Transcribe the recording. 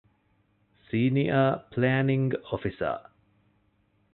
ސީނިއަރ ޕްލޭނިންގ އޮފިސަރ